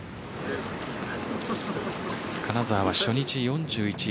金澤は初日４１位